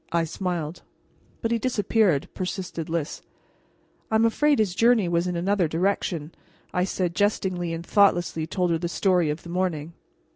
I smiled. "But he disappeared," persisted Lys. "I'm afraid his journey was in another direction," I said jestingly, and thoughtlessly told her the story of the morning.